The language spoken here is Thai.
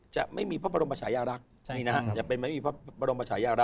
จะไม่มีพระบรมประชายาลักษณ์